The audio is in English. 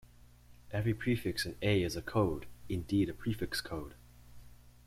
Every prefix in "A" is a code, indeed a prefix code.